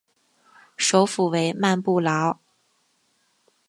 首府为曼布劳。